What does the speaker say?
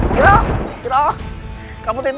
tidak tidak ada apaan ini